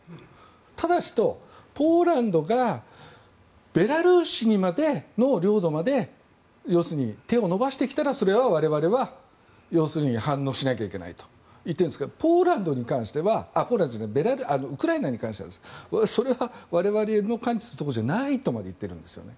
ただし、ポーランドがベラルーシの領土まで要するに、手を伸ばしてきたらそれは我々は要するに反応しなきゃいけないと言っているんですがウクライナに関してはそれは我々の関知するところじゃないとまで言っているんですね。